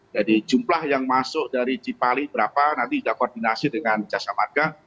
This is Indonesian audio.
jadi jumlah yang masuk dari jipali berapa nanti kita koordinasi dengan jasa marga